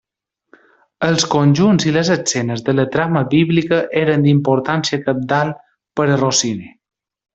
Els conjunts i les escenes de la trama bíblica eren d'importància cabdal per a Rossini.